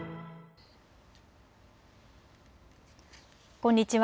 こんにちは。